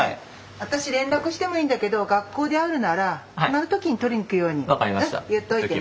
あたし連絡してもいいんだけど学校で会うなら暇な時に取りにくるように言っといてね。